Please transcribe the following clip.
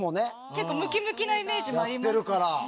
結構ムキムキなイメージもありますし。